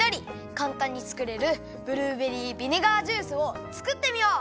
かんたんに作れるブルーベリービネガージュースを作ってみよう！